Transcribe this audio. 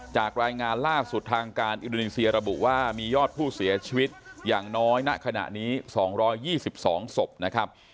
จากรายงานล่าสุดทางการอินโดนีเซียระบุว่ามียอดผู้เสียชีวิตอย่างน้อยณขณะนี้๒๒ศพนะครับ